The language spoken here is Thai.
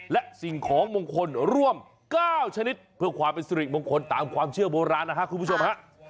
และสิ่งของมงคลร่วม๙ชนิดเพื่อความเป็นสิริมงคลตามความเชื่อโบราณนะครับคุณผู้ชมฮะ